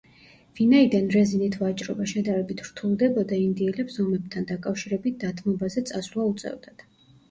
ვინაიდან რეზინით ვაჭრობა შედარებით რთულდებოდა, ინდიელებს ომებთან დაკავშირებით დათმობაზე წასვლა უწევდათ.